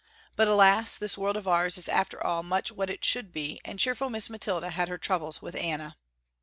But, alas, this world of ours is after all much what it should be and cheerful Miss Mathilda had her troubles too with Anna.